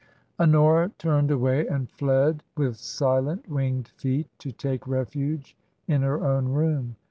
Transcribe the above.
Honora turned away and fled with silent, winged feet to take refuge in her own room.